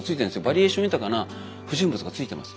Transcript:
バリエーション豊かな不純物がついてます。